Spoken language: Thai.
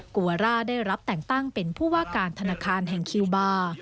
วาร่าได้รับแต่งตั้งเป็นผู้ว่าการธนาคารแห่งคิวบาร์